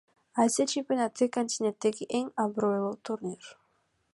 Азия чемпионаты — континенттеги эң абройлуу турнир.